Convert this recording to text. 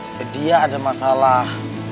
apa dia ada masalah